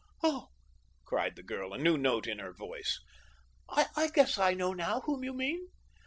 "Oh!" cried the girl, a new note in her voice, "I guess I know now whom you mean.